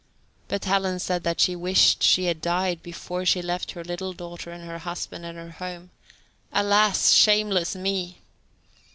But Helen said that she wished she had died before she left her little daughter and her husband, and her home: "Alas! shameless me!"